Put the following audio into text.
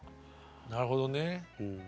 なるほどね。